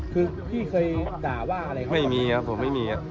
คือพี่เคยด่าว่าอะไรครับไม่มีครับผมไม่มีครับ